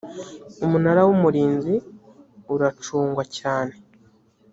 umunara wumurinzi uracungwa cyane.